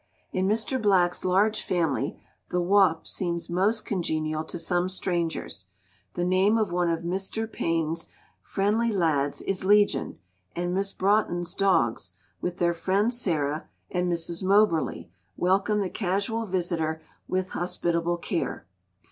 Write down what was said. In Mr. Black's large family the Whaup seems most congenial to some strangers; the name of one of Mr. Payn's friendly lads is Legion, and Miss Broughton's dogs, with their friend Sara, and Mrs. Moberley, welcome the casual visitor with hospitable care.